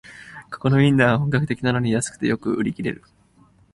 ここのウインナーは本格的なのに安くてよく売り切れる